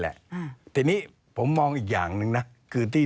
อะไรยังไง